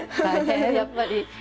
やっぱり。